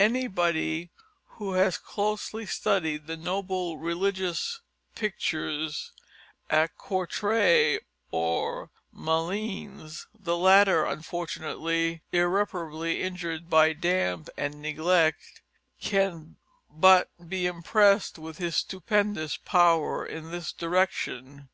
Anybody who has closely studied the noble religious pictures at Courtrai and Malines the latter, unfortunately, irreparably injured by damp and neglect can but be impressed with his stupendous power in this direction.